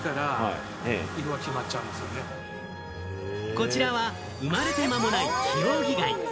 こちらは生まれて間もないヒオウギ貝。